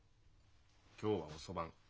今日は遅番。